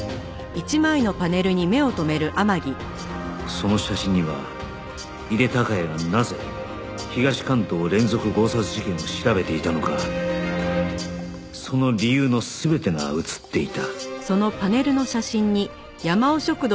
その写真には井手孝也がなぜ東関東連続強殺事件を調べていたのかその理由の全てが写っていた